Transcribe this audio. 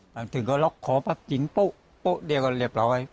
ถึงก็ล็อกคอปั๊บยิงโป๊ะโป๊ะเดียวกันเรียบร้อย